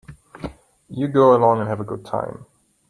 You go along and have a good time.